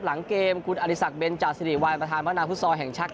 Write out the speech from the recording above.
หลังเกมคุณอริษักเบนจาศิริวัยประธานพระนาพุทธศร้อยแห่งชัก